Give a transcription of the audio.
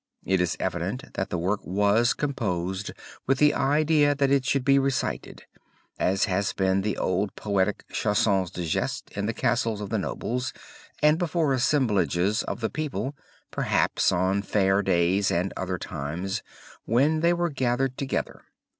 It is evident that the work was composed with the idea that it should be recited, as had been the old poetic Chansons de Geste, in the castles of the nobles and before assemblages of the people, perhaps on fair days and other times when they were gathered together.